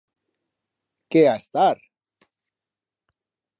Que ha a estar?